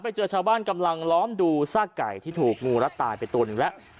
ชาวบ้านกำลังล้อมดูซากไก่ที่ถูกงูรัดตายไปตัวหนึ่งแล้ว